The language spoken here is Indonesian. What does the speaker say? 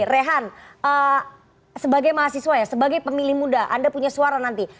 rehan sebagai mahasiswa ya sebagai pemilih muda anda punya suara nanti